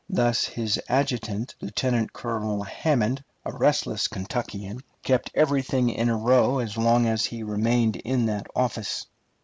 Thus his adjutant, Lieutenant Colonel Hammond, a restless Kentuckian, kept everything in a row as long as he remained in that office.